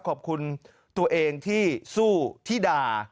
ขอบคุณตัวเองที่สู้ที่ด่า